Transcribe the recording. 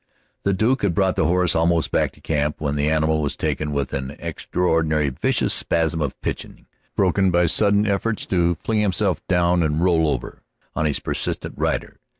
The Duke had brought the horse almost back to camp when the animal was taken with an extraordinarily vicious spasm of pitching, broken by sudden efforts to fling himself down and roll over on his persistent rider.